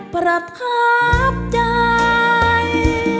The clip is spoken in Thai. ประทับจ้าย